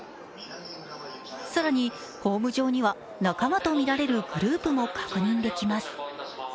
更にホーム上には仲間とみられるるグループも確認できます。